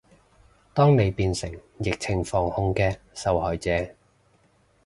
當你變成疫情防控嘅受害者